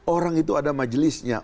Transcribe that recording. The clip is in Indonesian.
orang itu ada majlisnya